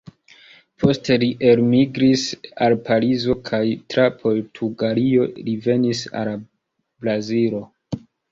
Poste li elmigris al Parizo kaj tra Portugalio li venis al Brazilo.